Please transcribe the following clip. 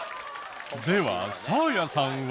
ではサーヤさんは。